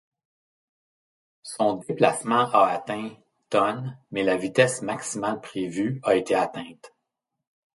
Son déplacement a atteint tonnes, mais la vitesse maximale prévue a été atteinte.